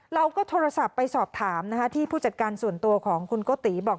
เราก็โทรศัพท์ไปสอบถามที่ผู้จัดการส่วนตัวของคุณโกติบอก